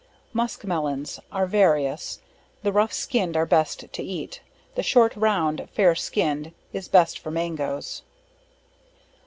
Muskmelons, are various, the rough skinned is best to eat; the short, round, fair skinn'd, is best for Mangoes.